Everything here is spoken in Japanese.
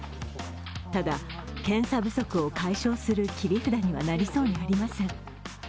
ただ、検査不足を解消する切り札にはなりそうにありません。